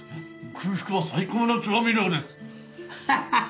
空腹は最高の調味料ですハハッ